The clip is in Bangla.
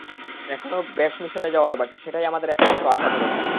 এখনও ব্যাশ মিশনে যাওয়ার বাকি, সেটাই আমাদের একমাত্র আশা ভরসা!